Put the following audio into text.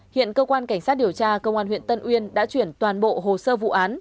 hiện cơ quan cảnh sát điều tra công an huyện tân uyên đã chuyển toàn bộ hồ sơ vụ án